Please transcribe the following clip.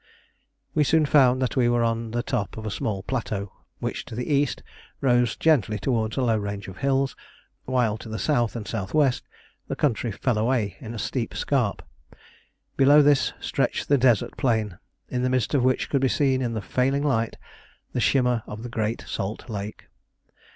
We soon found that we were on the top of a small plateau, which to the east rose gently towards a low range of hills; while to the S. and S.W. the country fell away in a steep scarp. Below this stretched the desert plain, in the midst of which could be seen in the failing light the shimmer of the great salt lake.